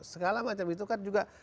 segala macam itu kan juga